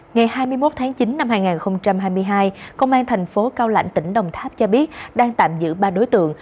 ngày hai mươi một tháng chín năm hai nghìn hai mươi hai công an thành phố cao lạnh tỉnh đồng tháp cho biết đang tạm giữ ba đối tượng